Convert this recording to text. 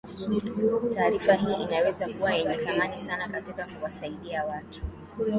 Taarifa hii inaweza kuwa yenye thamani sana katika kuwasaidia watu